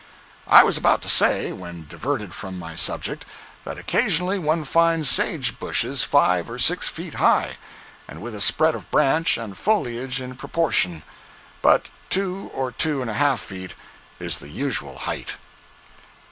I was about to say, when diverted from my subject, that occasionally one finds sage bushes five or six feet high, and with a spread of branch and foliage in proportion, but two or two and a half feet is the usual height.